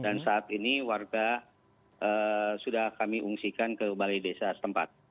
dan saat ini warga sudah kami unsikan ke balai desa setempat